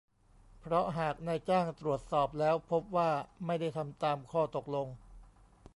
เพราะหากนายจ้างตรวจสอบแล้วพบว่าไม่ได้ทำตามข้อตกลง